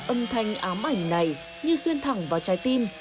âm thanh ám ảnh này như xuyên thẳng vào trái tim